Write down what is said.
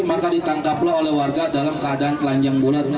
maka ditangkaplah oleh warga dalam keadaan telanjang bulat